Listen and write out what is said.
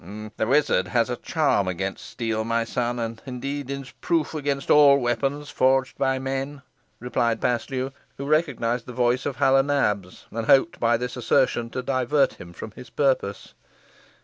"The wizard has a charm against steel, my son, and indeed is proof against all weapons forged by men," replied Paslew, who recognised the voice of Hal o' Nabs, and hoped by this assertion to divert him from his purpose.